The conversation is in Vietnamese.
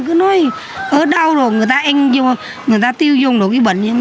cứ nói ở đâu rồi người ta tiêu dùng được cái bệnh